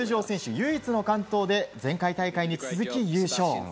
唯一の完登で前回大会に続き優勝。